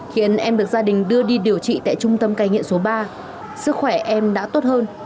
khiến em được gia đình đưa đi điều trị tại trung tâm cai nghiện số ba sức khỏe em đã tốt hơn